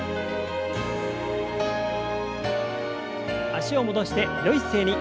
脚を戻してよい姿勢に。